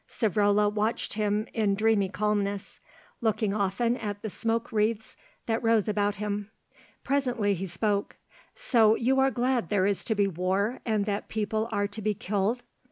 Savrola watched him in dreamy calmness, looking often at the smoke wreathes that rose about him. Presently he spoke. "So you are glad there is to be war and that people are to be killed?"